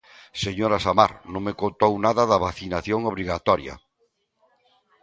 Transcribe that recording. Señora Samar, non me contou nada da vacinación obrigatoria.